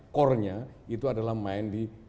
core nya itu adalah main di